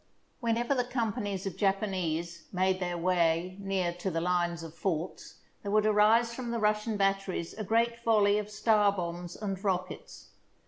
Whenever the companies of Japanese made their way near to the lines of forts, there would arise from the Russian batteries a great volley of star bombs and rockets.